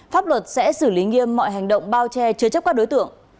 pháp luật sẽ xử lý nghiêm mọi hành động bao che chứa chấp các đối tượng